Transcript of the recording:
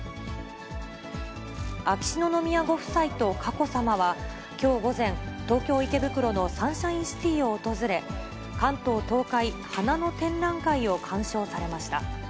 秋篠宮ご夫妻と佳子さまは、きょう午前、東京・池袋のサンシャインシティを訪れ、関東東海花の展覧会を鑑賞されました。